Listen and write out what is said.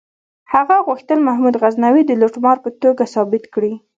هغه غوښتل محمود غزنوي د لوټمار په توګه ثابت کړي.